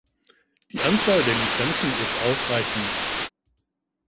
Die Anzahl der Lizenzen ist ausreichend.